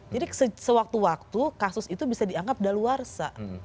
jadi sewaktu waktu kasus itu bisa dianggap ada luarsa